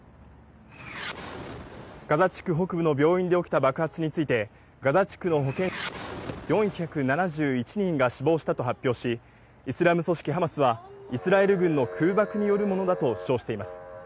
ガザ地区北部の病院で起きた爆発について、ガザ地区のは４７１人が死亡したと発表し、イスラム組織ハマスはイスラエル軍の空爆によるものだと主張しています。